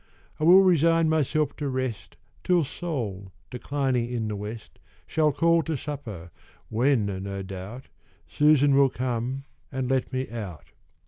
I will resign myself to rest Till Sol, declining in the west, Shall call to supper, when, no doubt, Susan will come and let me out."